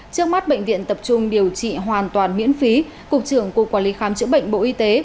trước mắt bệnh viện tập trung điều trị hoàn toàn miễn phí cục trưởng cục quản lý khám chữa bệnh bộ y tế